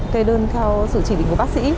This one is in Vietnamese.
kê đơn theo sự chỉ định của bác sĩ